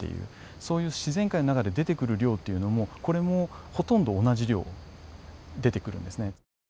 そういう自然界の中で出てくる量っていうのもこれもほとんど同じ量出てくるんですね。